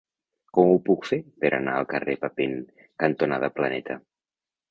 Com ho puc fer per anar al carrer Papin cantonada Planeta?